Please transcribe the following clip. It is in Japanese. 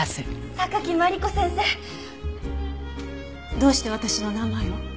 どうして私の名前を？